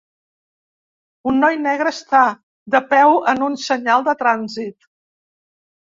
Un noi negre està de peu en un senyal de trànsit.